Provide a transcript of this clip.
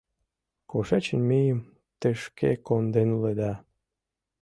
— Кушечын мыйым тышке конден улыда.